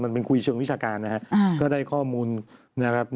มันเป็นคุยเชิงวิชาการนะครับก็ได้ข้อมูลนะครับ